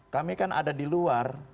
kami kan ada di luar